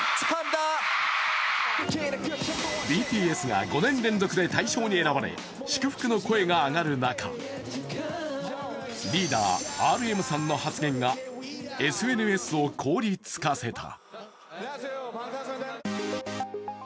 ＢＴＳが５年連続で大賞に選ばれ祝福の声が上がる中、リーダー・ＲＭさんの発言がＳＮＳを凍り付かせた。